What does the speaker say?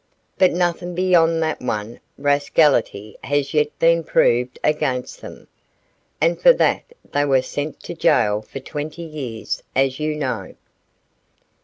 But nothing beyond that one rascality has yet been proved against them, and for that they were sent to jail for twenty years as you know.